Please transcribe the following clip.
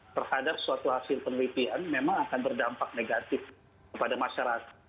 terhadap suatu hasil penelitian memang akan berdampak negatif kepada masyarakat